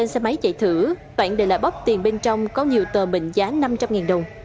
xe máy chạy thử toãn để lại bóp tiền bên trong có nhiều tờ mình giá năm trăm linh đồng